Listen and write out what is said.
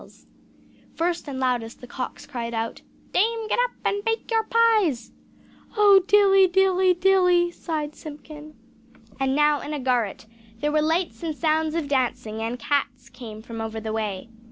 First and loudest the cocks cried out: "Dame, get up, and bake your pies!" "Oh, dilly, dilly, dilly!" sighed Simpkin. And now in a garret there were lights and sounds of dancing, and cats came from over the way.